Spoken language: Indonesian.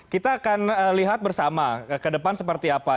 kita akan lihat bersama ke depan seperti apa